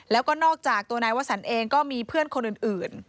แล้วก็นอกจากตัวนายวสันเองก็มีเพื่อนคนอื่น